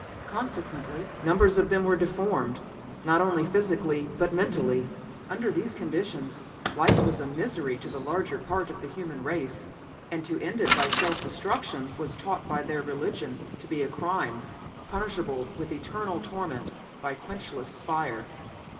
Consequently numbers of them were deformed, not only physically, but mentally. Under these conditions life was a misery to the larger part of the human race, and to end it by self destruction was taught by their religion to be a crime punishable with eternal torment by quenchless fire.